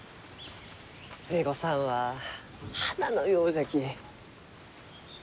寿恵子さんは花のようじゃき。